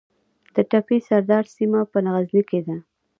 د تپې سردار سیمه په غزني کې ده